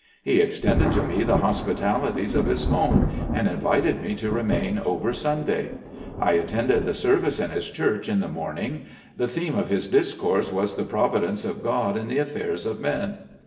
He extended to me the hospitalities of his home, and invited me to remain over Sunday. I attended the service in his church in the morning; the theme of his discourse was the providence of God in the affairs of men.